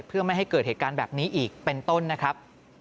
เพื่อไม่ให้เกิดเหตุการณ์แบบนี้อีกเป็นต้นนะครับ